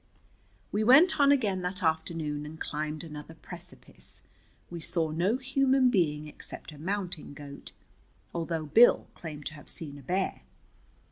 We went on again that afternoon, and climbed another precipice. We saw no human being except a mountain goat, although Bill claimed to have seen a bear.